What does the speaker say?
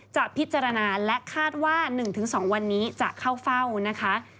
จะพิจารณาและคาดว่า๑๒วันนี้จะเข้าเฝ้านะคะ